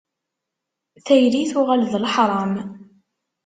Tayri tuɣal d leḥram.